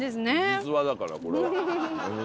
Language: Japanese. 実話だからこれは。